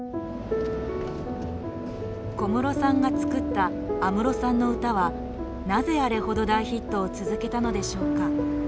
小室さんが作った安室さんの歌はなぜあれほど大ヒットを続けたのでしょうか。